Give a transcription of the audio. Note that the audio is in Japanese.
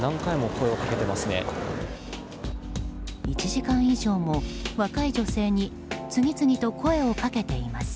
１時間以上も若い女性に次々と声をかけています。